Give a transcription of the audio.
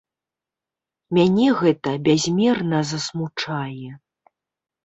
Мяне гэта бязмерна засмучае.